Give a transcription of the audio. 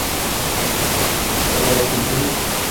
هل هذا کل شی ؟